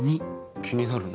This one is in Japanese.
気になるな。